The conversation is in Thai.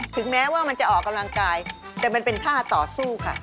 แต่มันเป็นท่าต่อสู้ค่ะ